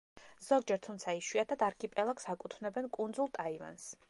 ზოგჯერ, თუმცა იშვიათად, არქიპელაგს აკუთვნებენ კუნძულ ტაივანს.